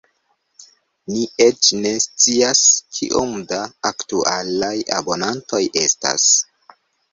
Ni eĉ ne scias kiom da aktualaj abonantoj estas.